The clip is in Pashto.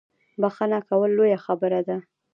بخښنه کول لویه خبره ده